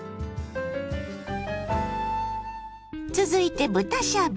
続いて豚しゃぶ。